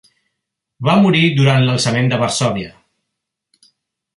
Va morir durant d'Alçament de Varsòvia.